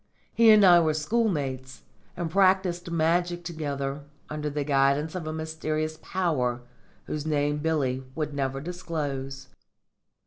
He and I were schoolmates, and practised magic together under the guidance of a mysterious Power whose name Billy would never disclose."